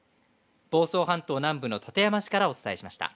房総半島南部の館山市からお伝えしました。